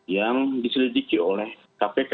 yang diselidiki oleh kpk